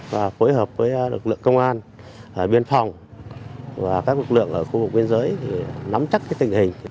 và phối hợp với lực lượng công an biên phòng và các lực lượng ở khu vực biên giới nắm chắc tình hình